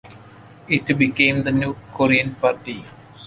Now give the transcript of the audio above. It became the New Korean Party.